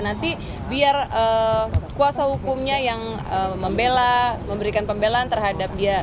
nanti biar kuasa hukumnya yang membela memberikan pembelaan terhadap dia